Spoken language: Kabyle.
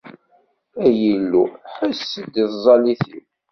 Ay Illu, ḥess-d i tẓallit-iw!